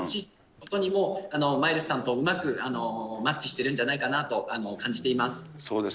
本当にもうマイルズさんとうまくマッチしてるんじゃないかなと感じています。